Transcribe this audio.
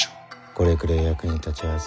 これくれえ役に立ちゃせ。